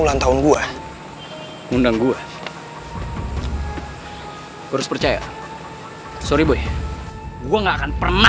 lo emang pengen berangkan lo